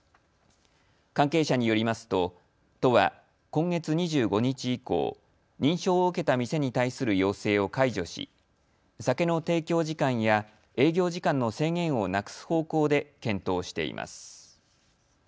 関係者によりますと都は今月２５日以降、認証を受けた店に対する要請を解除し酒の提供時間や営業時間の制限をなくす方向で検討しています。